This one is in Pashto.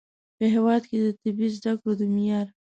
په هیواد کې د طبي زده کړو د معیار